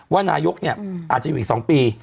ว่านายกเนี่ยอาจจะอยู่อีก๒ปี